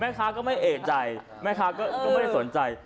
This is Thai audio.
แม่ค้าก็ไม่เอกใจแม่ค้าก็ไม่สนใจ